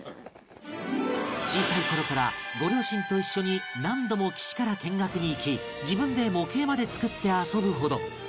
小さい頃からご両親と一緒に何度も岸から見学に行き自分で模型まで作って遊ぶほど